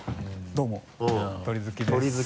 どうも鶏好きです。